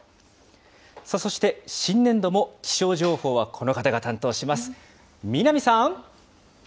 そして新年度も気象情報はこの方が担当します。